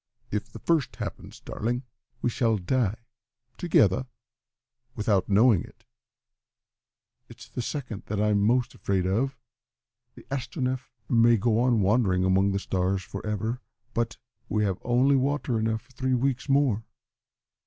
"If the first happens, darling, we shall die together without knowing it. It's the second that I'm most afraid of. The Astronef may go on wandering among the stars for ever but we have only water enough for three weeks more.